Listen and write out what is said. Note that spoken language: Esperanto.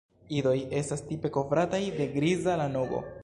Idoj estas tipe kovrataj de griza lanugo.